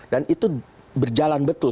dan itu berjalan betul